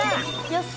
よし。